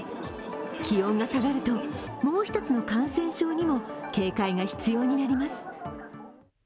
気温が下がるともう一つの感染症にも警戒が必要になります。